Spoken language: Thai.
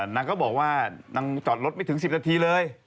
นางก็บอกว่านางจอดรถไม่ถึง๑๐นาทีเลย